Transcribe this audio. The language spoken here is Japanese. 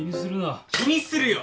気にするよ！